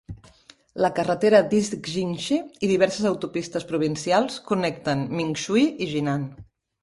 La carretera d'East Jingshi i diverses autopistes provincials connecten Mingshui i Jinan.